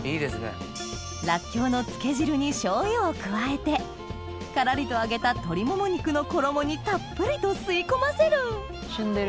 ラッキョウの漬け汁に醤油を加えてカラリと揚げた鶏もも肉の衣にたっぷりと吸い込ませるしゅんでる。